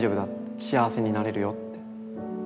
幸せになれるよって。